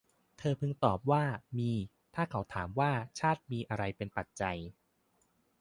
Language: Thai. เธอพึงตอบว่า มี ถ้าเขาถามว่า ชาติมีอะไรเป็นปัจจัย